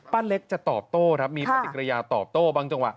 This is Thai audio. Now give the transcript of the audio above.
เล็กจะตอบโต้ครับมีปฏิกิริยาตอบโต้บางจังหวะ